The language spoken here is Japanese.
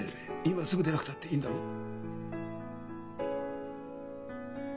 今すぐでなくたっていいんだろう？